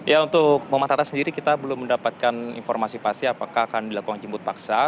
ya untuk muhammad hatta sendiri kita belum mendapatkan informasi pasti apakah akan dilakukan jemput paksa